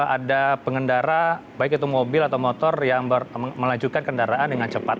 ada pengendara baik itu mobil atau motor yang melajukan kendaraan dengan cepat